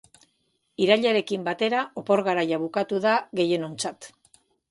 Irailarekin batera opor garaia bukatu da gehienontzat.